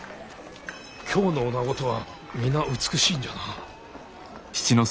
京のおなごとは皆美しいんじゃな。